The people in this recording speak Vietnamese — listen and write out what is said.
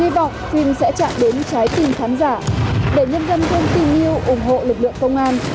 hy vọng phim sẽ chạm đến trái tim khán giả để nhân dân thêm tin yêu ủng hộ lực lượng công an